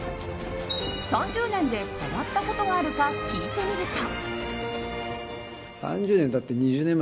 ３０年で変わったことがあるか聞いてみると。